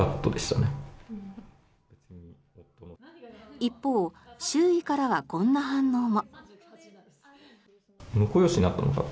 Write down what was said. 一方周囲からはこんな反応も。